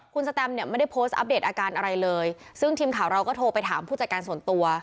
คุณสแตมเนี่ยไม่ได้โพสต์อัปเดตอาการอะไรเลยซึ่งทีมข่าวเราก็โทรไปถามผู้จัดการส่วนตัว